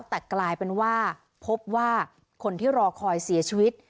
แต่กลายเป็นว่าพบว่าคนที่รอคอยเสียชีวิต